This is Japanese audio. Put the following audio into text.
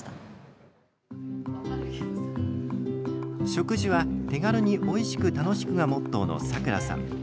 食事は手軽においしく楽しくがモットーのさくらさん。